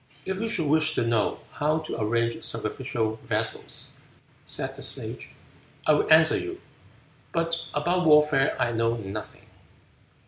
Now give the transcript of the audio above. "If you should wish to know how to arrange sacrificial vessels," said the Sage, "I will answer you, but about warfare I know nothing."